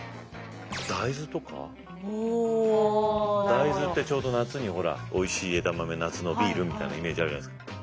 大豆ってちょうど夏にほらおいしい枝豆夏のビールみたいなイメージあるじゃないですか。